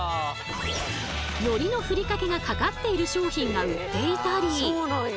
のりのふりかけがかかっている商品が売っていたり。